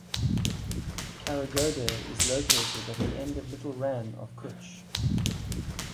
Kharaghoda is located at the end of Little Rann of Kutch.